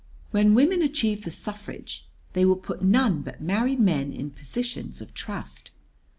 When women achieve the suffrage they will put none but married men in positions of trust."